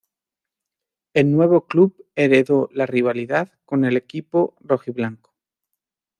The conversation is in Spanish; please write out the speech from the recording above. El nuevo club heredó la rivalidad con el equipo rojiblanco.